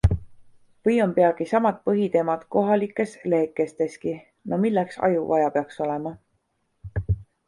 Või on peagi samad põhiteemad kohalikes lehekesteski - no milleks aju vaja peaks olema...